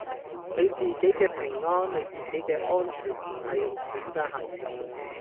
你自己嘅平安你自己嘅安全唔係用錢㗎衡量